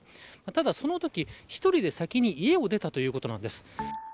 ただそのとき、一人で先に家を出たということなんです。